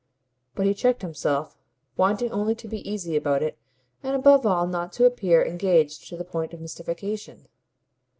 But he checked himself, wanting only to be easy about it and above all not to appear engaged to the point of mystification.